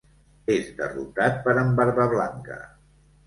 És derrotat per en Barbablanca.